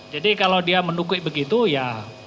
jadi kalau dia menuki begitu ya